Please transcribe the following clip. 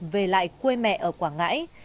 về lại quê mẹ ở quảng ngãi